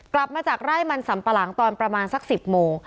กลับมาจากไร่มันสัมปะหลังตอนประมาณสัก๑๐โมง